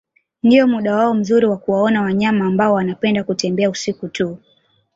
Ndio muda wao mzuri wa kuwaona wanyama ambao wanapenda kutembea usiku tu